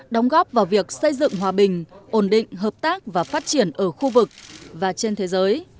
đóng góp vào việc xây dựng hòa bình ổn định hợp tác và phát triển ở khu vực và trên thế giới